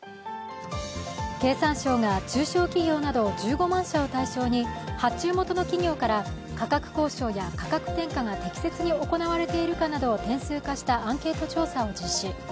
経産省が中小企業など１５万社を対象に発注元の企業から価格交渉や価格転嫁が適切に行われているかなどを点数化したアンケート調査を実施。